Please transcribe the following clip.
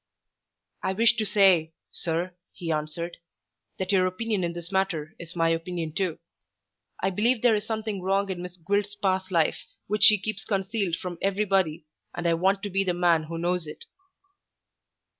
"I wish to say, sir," he answered, "that your opinion in this matter is my opinion too. I believe there is something wrong in Miss Gwilt's past life which she keeps concealed from everybody, and I want to be the man who knows it."